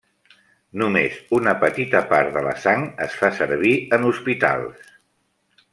Només una petita part de la sang es fa servir en Hospitals.